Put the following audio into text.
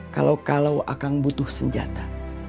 kalau kalau akang butuh senjata